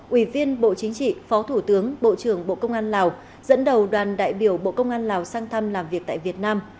ủy viên bộ chính trị phó thủ tướng bộ trưởng bộ công an lào dẫn đầu đoàn đại biểu bộ công an lào sang thăm làm việc tại việt nam